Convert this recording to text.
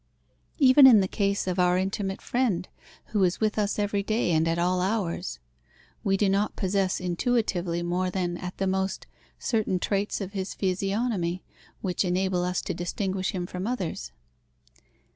Even in the case of our intimate friend, who is with us every day and at all hours, we do not possess intuitively more than, at the most, certain traits of his physiognomy, which enable us to distinguish him from others.